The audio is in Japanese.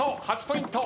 ８ポイント。